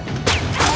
あっ。